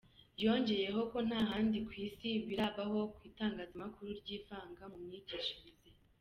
Yongeyeho ko nta n’ahandi ku isi birabaho ko Itangazamakuru ryivanga mu myigishirize.